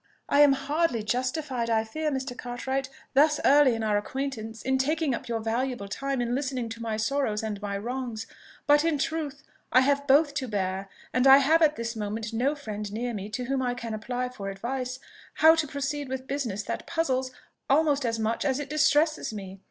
"I am hardly justified, I fear, Mr. Cartwright, thus early in our acquaintance, in taking up your valuable time in listening to my sorrows and my wrongs; but in truth I have both to bear; and I have at this moment no friend near me to whom I can apply for advice how to proceed with business that puzzles almost as much as it distresses me.